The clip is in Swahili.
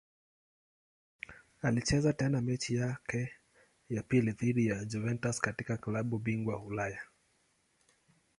Alicheza tena mechi yake ya pili dhidi ya Juventus katika klabu bingwa Ulaya.